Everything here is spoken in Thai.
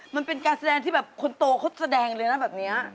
มันเป็นการแสดงที่แบบคนโตเขาแสดงเลยนะแบบนี้